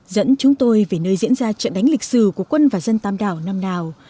dẫn chúng tôi về nơi diễn ra trận đánh lịch sử của quân và dân tàm đào năm nào